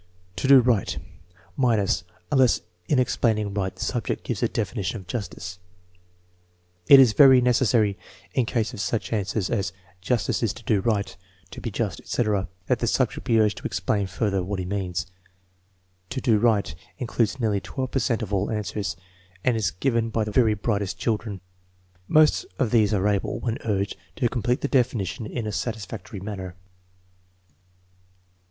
"To do right" (minuSy unless in explaining right the subject gives a definition of justice). It is very necessary, in case of such answers as "Justice is to do right," "To be just," etc., that the subject be urged to explain further what he means. "To do right" includes nearly 12 per cent of all answers, and is given by the very brightest children. Most of these are able, when urged, to complete the definition in a satisfactory manner.